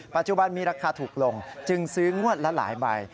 ปัจจุบันมีราคาถูกลงจึงซื้องวดละหลายใบ